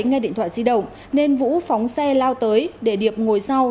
nghe điện thoại di động nên vũ phóng xe lao tới để điệp ngồi sau